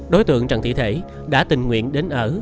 đối tượng trần thị thể đã tình nguyện đến ở